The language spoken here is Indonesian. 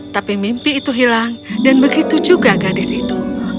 tapi mimpi itu hilang dan begitu juga gadis itu